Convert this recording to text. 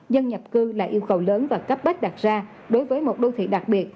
dân nhập cư là yêu cầu lớn và cấp bách đặt ra đối với một đô thị đặc biệt